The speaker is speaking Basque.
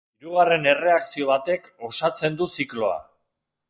Hirugarren erreakzio batek osatzen du zikloa.